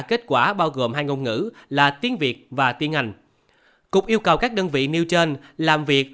kết quả bao gồm hai ngôn ngữ là tiếng việt và tiếng anh cục yêu cầu các đơn vị nêu trên làm việc